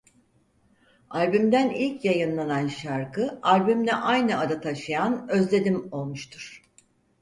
Albümden ilk yayınlanan şarkı albümle aynı adı taşıyan "Özledim" olmuştur.